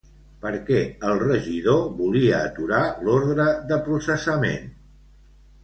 Per què el regidor volia aturar l'ordre de processament?